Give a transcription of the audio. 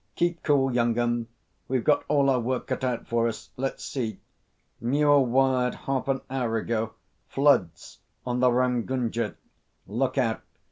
"Keep cool, young 'un. We've got all our work cut out for us. Let's see. Muir wired half an hour ago: 'Floods on the Ramgunga. Look out.